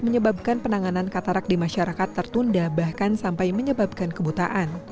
menyebabkan penanganan katarak di masyarakat tertunda bahkan sampai menyebabkan kebutaan